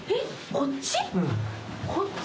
こっち？